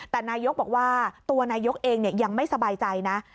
แต่นายกบอกว่าตัวนายกเองยังไม่สบายใจนะ